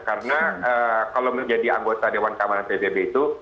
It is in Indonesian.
karena kalau menjadi anggota dewan keamanan pbb itu